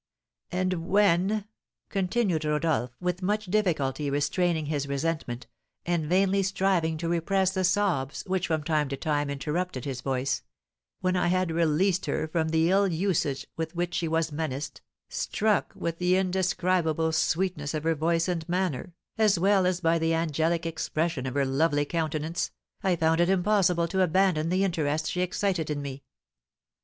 "And when," continued Rodolph, with much difficulty restraining his resentment, and vainly striving to repress the sobs which from time to time interrupted his voice, "when I had released her from the ill usage with which she was menaced, struck with the indescribable sweetness of her voice and manner, as well as by the angelic expression of her lovely countenance, I found it impossible to abandon the interest she excited in me.